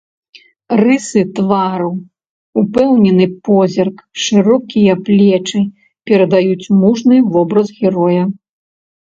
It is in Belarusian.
Рысы твару, упэўнены позірк, шырокія плечы перадаюць мужны вобраз героя.